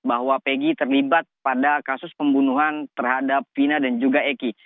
bahwa peggy terlibat pada kasus pembunuhan terhadap vina dan juga eki